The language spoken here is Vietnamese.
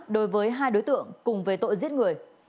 đối với hai đối tượng cùng về tội giết người